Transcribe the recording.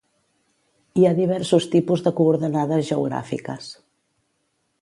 Hi ha diversos tipus de coordenades geogràfiques.